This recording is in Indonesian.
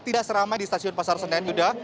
tidak seramai di stasiun pasar senen yuda